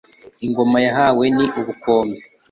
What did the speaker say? ingoma yahawe ni ubukombe